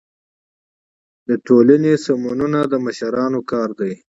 د ټولني اصلاحات د مشرانو کار دی.